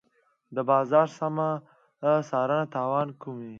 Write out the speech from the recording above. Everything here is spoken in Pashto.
د بازار سمه څارنه تاوان کموي.